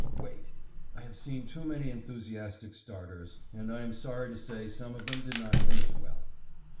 Wait; I have seen too many enthusiastic starters, and I am sorry to say some of them did not finish well.